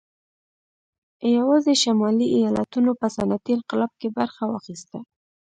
یوازې شمالي ایالتونو په صنعتي انقلاب کې برخه واخیسته